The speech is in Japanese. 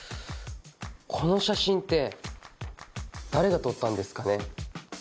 この写真って誰が撮ったんですかね？